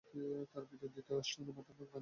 তার পিতার নাম ধৃতরাষ্ট্র এবং মাতার নাম গান্ধারী।